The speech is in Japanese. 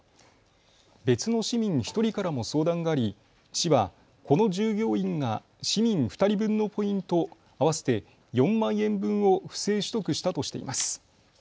別の市民１人からも相談があり市はこの従業員が市民２人分のポイント合わせて４万円分を不正取得したとしています。